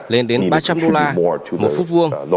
lên đến ba trăm linh đô la một phút vuông